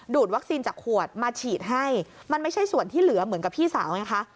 วัคซีนจากขวดมาฉีดให้มันไม่ใช่ส่วนที่เหลือเหมือนกับพี่สาวไงคะ